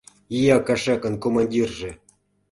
Ия кашакын командирже!